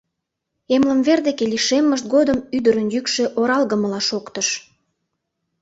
Эмлымвер деке лишеммышт годым ӱдырын йӱкшӧ оралгымыла шоктыш.